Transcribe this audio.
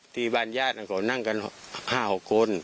ทีบ้านญาติก็นั่งกัน๕คน